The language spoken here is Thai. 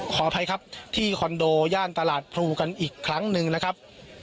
ขออภัยครับที่คอนโดย่านตลาดพลูกันอีกครั้งหนึ่งนะครับ